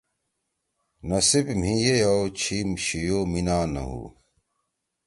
نصیب مھی یئیو چھی شیِو مینہ نہ ہُو